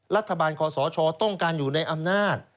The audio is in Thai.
รัฐบาลขอสอชอต้องการอยู่ในอำนาจ